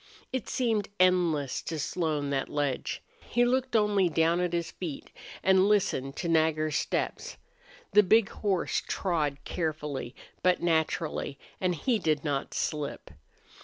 It seemed endless to Slone, that ledge. He looked only down at his feet and listened to Nagger's steps. The big horse trod carefully, but naturally, and he did not slip.